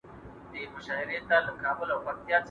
¬ هغه غر، هغه ئې کربوړی.